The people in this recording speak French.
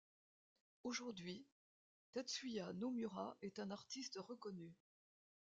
Aujourd'hui, Tetsuya Nomura est un artiste reconnu.